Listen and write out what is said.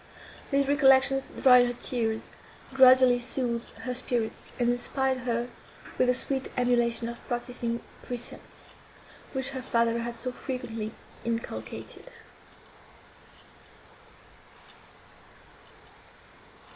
These recollections dried her tears, gradually soothed her spirits, and inspired her with the sweet emulation of practising precepts, which her father had so frequently inculcated.